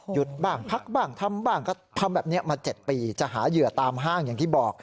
หยุดบ้างพักบ้างทำบ้างก็ทำแบบนี้มา๗ปีจะหาเหยื่อตามห้างอย่างที่บอก